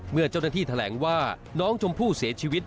เมื่อเจ้าหน้าที่แถลงว่าน้องชมพู่เสียชีวิต